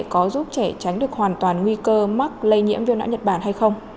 có giúp trẻ tránh được hoàn toàn nguy cơ mắc lây nhiễm viêm não nhật bản hay không